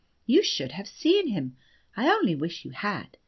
You should just have seen him: I only wish you had!